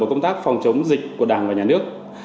công tác phòng chống dịch của đảng và nhà nước